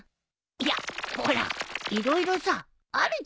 いやほら色々さあるじゃん。